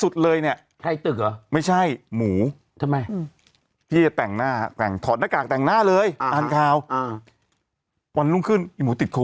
แต่ฉันตัดเก็บนึง